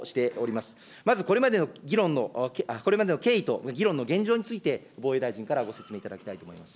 まずこれまでの議論の、これまでの経緯と議論の現状について、防衛大臣からご説明いただきたいと思います。